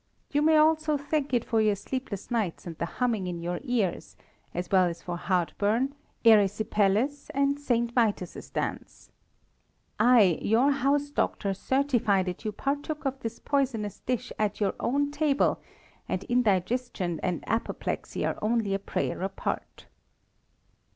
You may also thank it for your sleepless nights and the humming in your ears, as well as for heartburn, erysipelas, and St. Vitus's dance. I, your house doctor, certify that you partook of this poisonous dish at your own table, and indigestion and apoplexy are only a prayer apart."